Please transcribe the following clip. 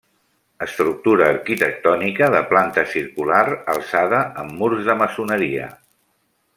Estructura arquitectònica de planta circular, alçada amb murs de maçoneria.